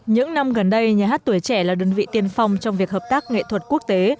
những năm gần đây nhà hát tuổi trẻ là đơn vị tiên phong trong việc hợp tác nghệ thuật quốc tế